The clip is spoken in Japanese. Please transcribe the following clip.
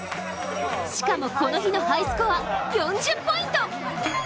しかも、この日のハイスコア４０ポイント。